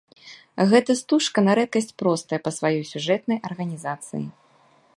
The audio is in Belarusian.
Гэта стужка на рэдкасць простая па сваёй сюжэтнай арганізацыі.